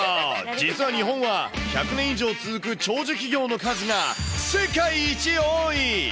実は日本は１００年以上続く長寿企業の数が世界一多い。